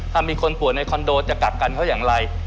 ถ้ามีคนป่วยในคอนโดจะกลับกันเขาอย่างไร